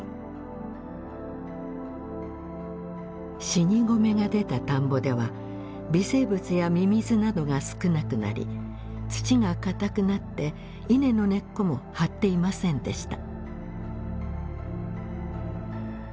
死に米が出た田んぼでは微生物やミミズなどが少なくなり土が固くなって稲の根っこも張っていませんでした。